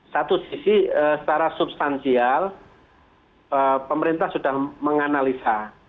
satu sisi secara substansial pemerintah sudah menganalisa